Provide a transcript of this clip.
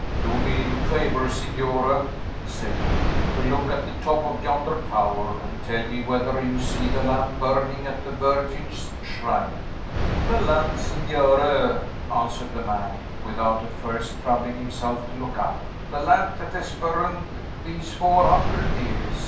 "Do me the favor, Signore," said he, "to look at the top of yonder tower, and tell me whether you see the lamp burning at the Virgin's shrine." "The lamp, Signore?" answered the man, without at first troubling himself to look up. "The lamp that has burned these four hundred years!